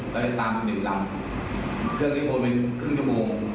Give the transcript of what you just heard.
ก็จะตาม๑ลำเครื่องนี้ควรเป็นครึ่งจม